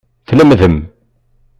Tlemdem.